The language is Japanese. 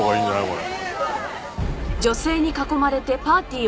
これ。